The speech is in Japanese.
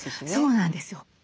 そうなんですよ。